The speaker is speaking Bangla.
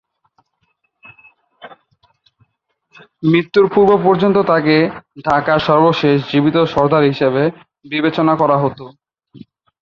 মৃত্যুর পূর্ব পর্যন্ত তাকে ঢাকার সর্বশেষ জীবিত সরদার হিসেবে বিবেচনা করা হতো।